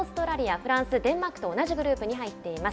フランス、デンマークと同じグループに入っています。